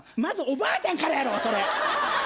まずおばあちゃんからやろ！